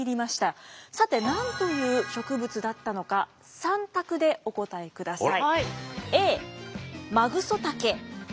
さて何という植物だったのか３択でお答えください。